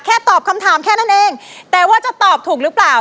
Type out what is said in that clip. ตอบคำถามแค่นั้นเองแต่ว่าจะตอบถูกหรือเปล่า